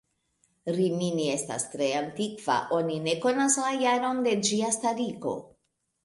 Rimini estas tre antikva, oni ne konas la jaron de ĝia starigo.